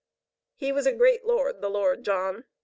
He was a great lord, the Lord John.